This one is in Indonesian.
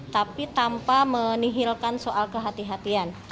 tapi tanpa menihilkan soal kehatian